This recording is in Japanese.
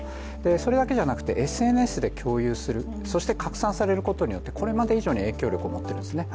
それだけじゃなくてＳＮＳで共有する、そして拡散されることによって、これまで以上に影響力を持っているんですね。